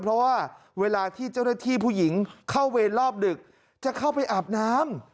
เพราะว่าเวลาที่เจ้าหน้าที่ผู้หญิงเข้าเวรรอบดึกจะเข้าไปอาบน้ำ